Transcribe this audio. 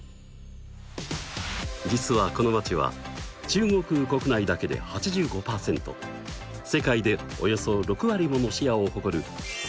実はこの街は中国国内だけで８５％世界でおよそ６割ものシェアを誇るすごい。